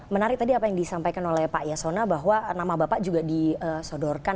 menarik tadi apa yang disampaikan oleh pak yasona bahwa nama bapak juga disodorkan